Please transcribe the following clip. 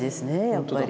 やっぱり。